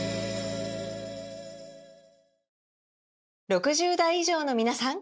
６０代以上のみなさん！